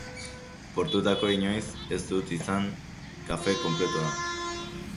Portuetakoa inoiz ez duk izaten kafe konpletoa.